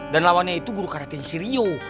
dan lawannya itu guru karate nya si ryo